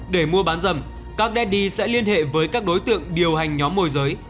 để mua bán dâm các dtdy sẽ liên hệ với các đối tượng điều hành nhóm môi giới